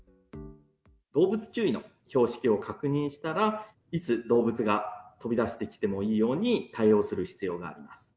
動物注意の標識を確認したら、いつ動物が飛び出してきてもいいように対応する必要があります。